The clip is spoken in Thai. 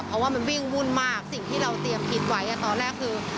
เพราะว่ามันวิ่งวุ่นมากสิ่งที่เราเตรียมคิดไว้ตอนแรกคือ